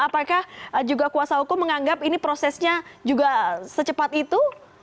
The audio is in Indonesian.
apakah juga kuasa hukum menganggap ini prosesnya juga secepat itu